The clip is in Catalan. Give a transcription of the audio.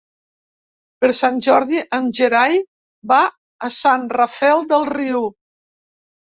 Per Sant Jordi en Gerai va a Sant Rafel del Riu.